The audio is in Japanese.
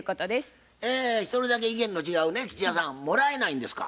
一人だけ意見の違うね吉弥さんもらえないんですか？